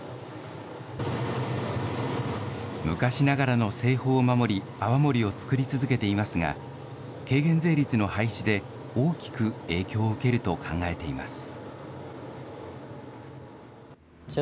昔ながらの製法を守り、泡盛を造り続けていますが、軽減税率の廃止で、大きく影響を受けると考えています。